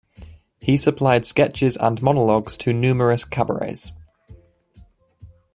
He supplied sketches and monologues to numerous cabarets.